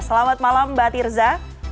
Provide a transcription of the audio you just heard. selamat malam mbak tirza